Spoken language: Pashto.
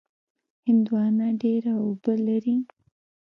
هندوانه ډېره اوبه لري.